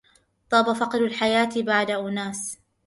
طاب فقد الحياة بعد أناس